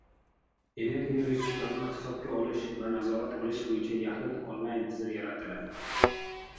Energiya resurslarini hisobga olish va nazorat qilish bo‘yicha yaxlit onlayn tizim yaratiladi